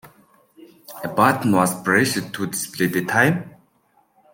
A button was pressed to display the time.